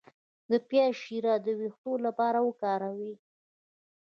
د پیاز شیره د ویښتو لپاره وکاروئ